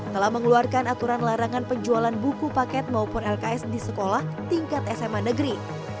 telah mengeluarkan aturan larangan penjualan buku paket maupun lks di sekolah tingkat sma negeri